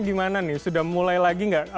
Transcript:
gimana nih sudah mulai lagi nggak